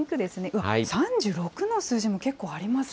わっ、３６の数字も結構ありますよね。